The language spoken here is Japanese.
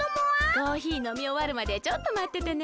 コーヒーのみおわるまでちょっとまっててね。